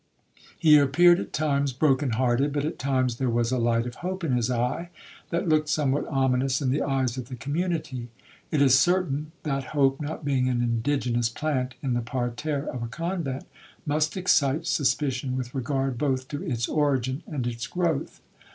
He appeared at times broken hearted, but at times there was a light of hope in his eye, that looked somewhat ominous in the eyes of the community. It is certain, that hope not being an indigenous plant in the parterre of a convent, must excite suspicion with regard both to its origin and its growth.